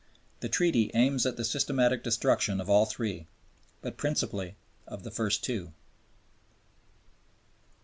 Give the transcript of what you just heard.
The Treaty aims at the systematic destruction of all three, but principally of the first two.